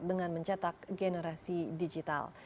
dengan mencetak generasi digital